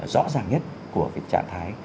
rõ ràng nhất của cái trạng thái